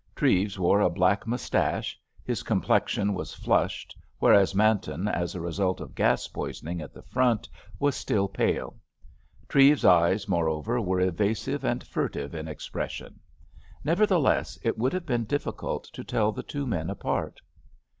Treves wore a black moustache; his complexion was flushed, whereas Manton, as a result of gas poisoning at the Front, was still pale. Treves's eyes, moreover, were evasive and furtive in expression. Nevertheless, it would have been difficult to tell the two men apart.